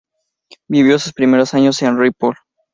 Vivió sus primeros años en Ripoll.